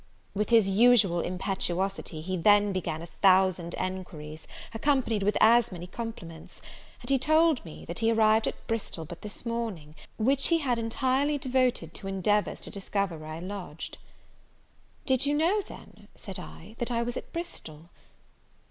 With his usual impetuosity, he then began a thousand enquiries, accompanied with as many compliments; and he told me, that he arrived at Bristol but this morning, which he had entirely devoted to endeavours to discover where I lodged. "Did you know, then," said I, "that I was at Bristol?"